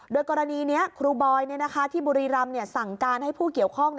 โดยกรณีนี้ครูบอยที่บุรีรำสั่งการให้ผู้เกี่ยวข้อง